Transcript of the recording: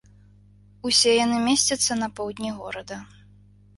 Усе яны месцяцца на поўдні горада.